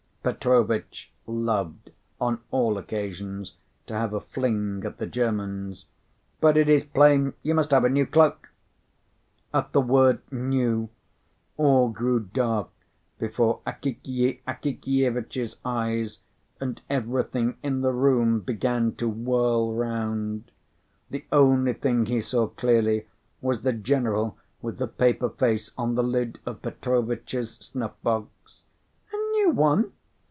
Petrovitch loved, on all occasions, to have a fling at the Germans. "But it is plain you must have a new cloak." At the word "new," all grew dark before Akakiy Akakievitch's eyes, and everything in the room began to whirl round. The only thing he saw clearly was the general with the paper face on the lid of Petrovitch's snuff box. "A new one?"